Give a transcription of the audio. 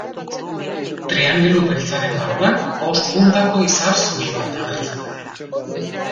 Triangelu beltzaren barruan bost puntako izar zuri bat agertzen da.